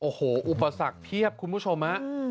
โอ้โหอุปสรรคเพียบคุณผู้ชมฮะ